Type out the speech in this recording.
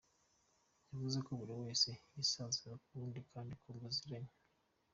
Bivuze ko buri wese yisanzura ku wundi kandi ko muziranye.